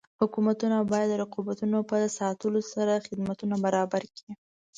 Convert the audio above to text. حکومتونه باید د رقابتونو په ساتلو سره خدمتونه برابر کړي.